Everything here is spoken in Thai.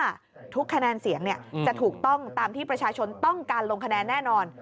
ใครได้ว่าทุกคะแนนเสียงเนี่ยจะถูกต้องตามที่ประชาชนต้องการลงคะแนนแน่นอน